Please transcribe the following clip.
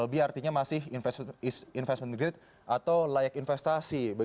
b artinya masih investment grade atau layak investasi